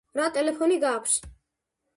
რა ტელეფონი გაქვს ?